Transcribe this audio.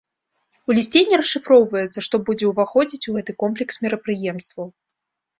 У лісце не расшыфроўваецца, што будзе ўваходзіць у гэты комплекс мерапрыемстваў.